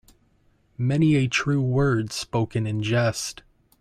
Many a true word spoken in jest.